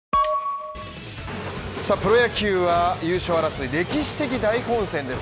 プロ野球は優勝争い歴史的大混戦です。